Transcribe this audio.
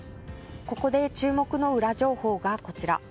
ここで注目の裏情報がこちら。